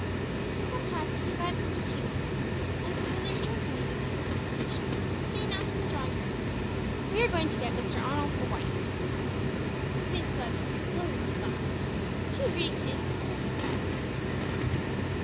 Sometimes he invited them to tea with him, and it was when they returned one evening from this dissipation that they announced in the drawing room "We are going to get Mr. Arnold a wife!" Miss Webb exploded with laughter. She was reading the newspaper over the fire.